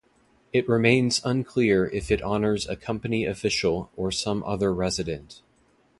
It remains unclear if it honors a company official or some other resident.